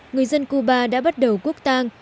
người dân cuba đã bắt đầu quốc tang